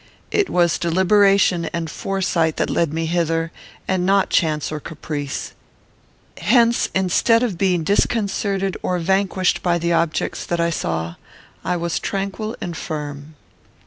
It was deliberation and foresight that led me hither, and not chance or caprice. Hence, instead of being disconcerted or vanquished by the objects that I saw, I was tranquil and firm.